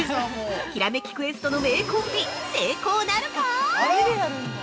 ひらめきクエストの名コンビ、成功なるか？